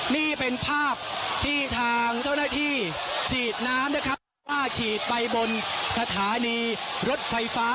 นี่เป็นภาพที่ทางเจ้าหน้าที่ฉีดน้ำนะครับว่าฉีดไปบนสถานีรถไฟฟ้า